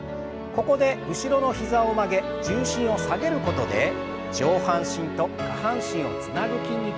ここで後ろの膝を曲げ重心を下げることで上半身と下半身をつなぐ筋肉をストレッチします。